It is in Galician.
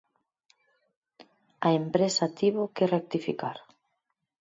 "A empresa tivo que rectificar".